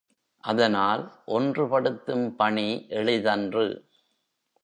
அதனால், ஒன்று படுத்தும் பணி எளிதன்று.